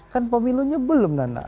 kan pemilunya belum nana